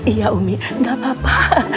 iya umi gak apa apa